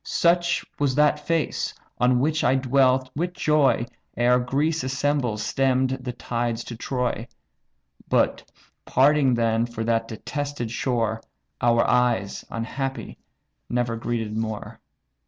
Such was that face, on which I dwelt with joy Ere Greece assembled stemm'd the tides to Troy; But, parting then for that detested shore, Our eyes, unhappy never greeted more."